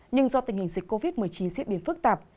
nhưng do tình hình dịch covid một mươi chín diễn biến phức tạp